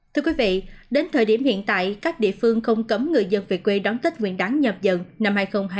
thưa quý vị đến thời điểm hiện tại các địa phương không cấm người dân về quê đón tết nguyên đáng nhập dần năm hai nghìn hai mươi bốn